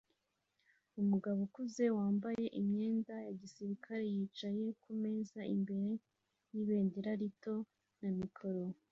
Umugabo ukuze wambaye imyenda ya gisirikare yicaye kumeza imbere yibendera rito na mikoro